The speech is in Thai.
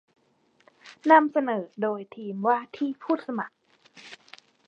นำเสนอโดยทีมว่าที่ผู้สมัคร